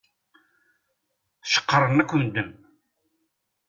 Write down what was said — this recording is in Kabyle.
Ceqqṛen akk medden.